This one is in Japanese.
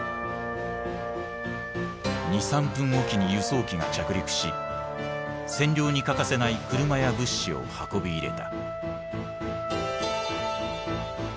２３分置きに輸送機が着陸し占領に欠かせない車や物資を運び入れた。